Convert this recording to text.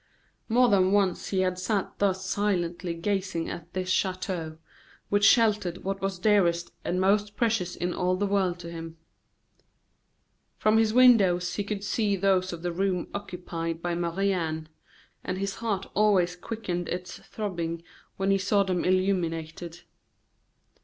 More than once he had sat thus silently gazing at this chateau, which sheltered what was dearest and most precious in all the world to him. From his windows he could see those of the room occupied by Marie Anne; and his heart always quickened its throbbing when he saw them illuminated.